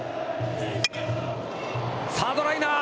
サードライナー！